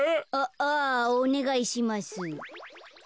あおねがいします。